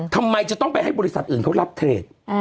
ทำไมจะต้องไปให้บริษัทอื่นเขารับเทรด